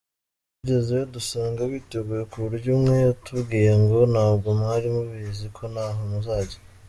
Twagezeyo dusanga biteguye ku buryo umwe yatubwiye ngo ntabwo mwari mubizi ko ntaho muzajya?”.